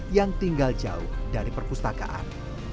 yang tinggal jauh dari perpustakaan